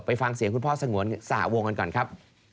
ฟังเสียงคุณพ่อสงวนสหวงกันก่อนครับ